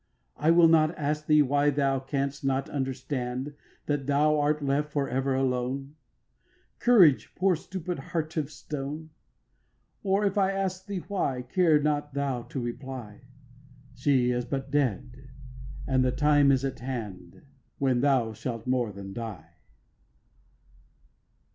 I will not ask thee why Thou canst not understand That thou art left for ever alone: Courage, poor stupid heart of stone. Or if I ask thee why, Care not thou to reply: She is but dead, and the time is at hand When thou shalt more than die.